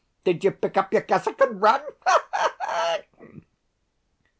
Did you pick up your cassock and run? Ha ha ha!"